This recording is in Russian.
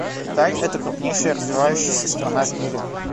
Китай — это крупнейшая развивающаяся страна в мире.